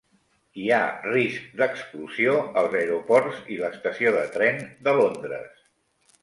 Hi ha risc d'explosió als aeroports i l'estació de tren de Londres